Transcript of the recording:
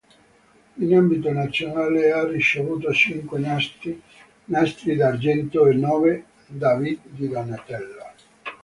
In ambito nazionale ha ricevuto cinque nastri d'argento e nove David di Donatello.